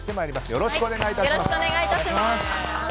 よろしくお願いします。